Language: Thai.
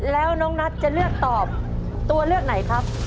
แล้วน้องนัทจะเลือกตอบตัวเลือกไหนครับ